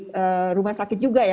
di rumah sakit juga ya